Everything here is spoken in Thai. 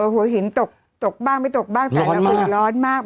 หัวหินตกบ้างไม่ตกบ้างแต่ร้อนมาก